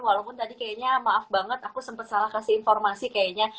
walaupun tadi kayaknya maaf banget aku sempet salah kasih informasi kayaknya